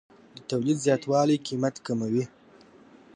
د تولید زیاتوالی قیمت کموي.